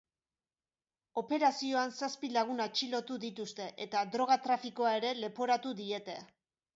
Operazioan zazpi lagun atxilotu dituzte eta droga-trafikoa ere leporatu diete.